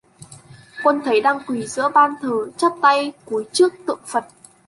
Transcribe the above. Quân thấy đang quỳ giữa ban thờ chắp tay cúi Trước Tượng Phật